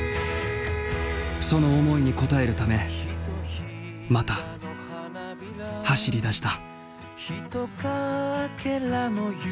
その思いに応えるためまた走りだした。